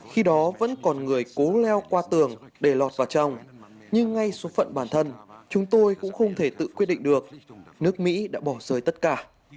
khi đó vẫn còn người cố leo qua tường để lọt vào trong nhưng ngay số phận bản thân chúng tôi cũng không thể tự quyết định được nước mỹ đã bỏ rơi tất cả